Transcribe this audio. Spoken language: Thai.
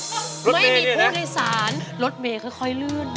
ไม่มีผู้คัยสารรถเมร์ค่อยเลือดมา